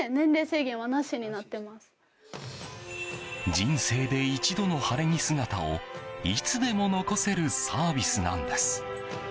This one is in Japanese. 人生で一度の晴れ着姿をいつでも残せるサービスなんです。